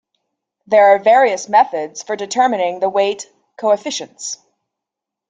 There are various methods for determining the weight coefficients.